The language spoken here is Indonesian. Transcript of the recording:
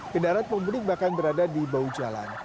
kendaraan pemudik bahkan berada di bahu jalan